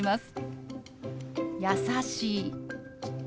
「優しい」。